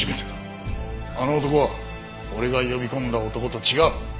あの男は俺が呼び込んだ男と違う。